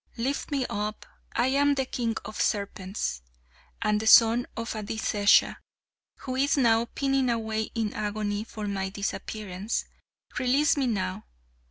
Lift me up. I am the king of serpents, and the son of Adisesha, who is now pining away in agony for my disappearance. Release me now.